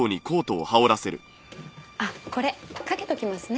あっこれかけときますね。